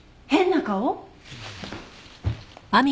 変な顔？